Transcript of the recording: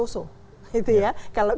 kalau kita harus menilai apa apa